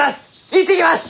行ってきます！